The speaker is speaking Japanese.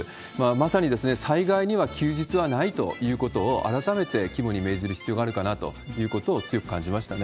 まさに災害には休日はないということを、改めて肝に銘じる必要があるかなということを強く感じましたね。